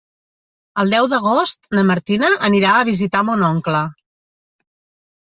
El deu d'agost na Martina anirà a visitar mon oncle.